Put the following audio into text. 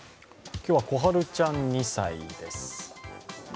今日は、こはるちゃん２歳です。